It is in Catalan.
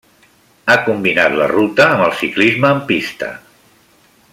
Ha combinat la ruta amb el ciclisme en pista.